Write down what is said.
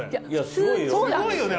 すごいよね？